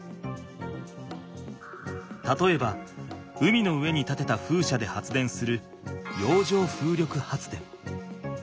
たとえば海の上にたてた風車で発電する洋上風力発電。